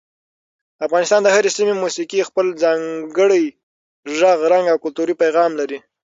د افغانستان د هرې سیمې موسیقي خپل ځانګړی غږ، رنګ او کلتوري پیغام لري.